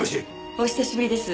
お久しぶりです。